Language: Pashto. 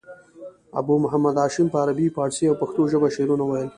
ابو محمد هاشم په عربي، پاړسي او پښتو ژبه شعرونه ویل.